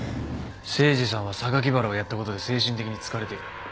誠司さんは榊原をやったことで精神的に疲れている。